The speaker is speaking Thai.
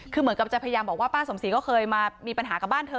คือเหมือนกับจะพยายามบอกว่าป้าสมศรีก็เคยมามีปัญหากับบ้านเธอ